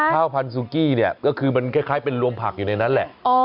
ข้าวพันธุกี้เนี่ยก็คือมันคล้ายเป็นรวมผักอยู่ในนั้นแหละ